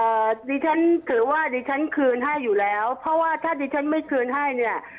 ดิฉันถือว่าดิฉันคืนให้อยู่แล้วเพราะว่าถ้าดิฉันไม่คืนให้เนี่ย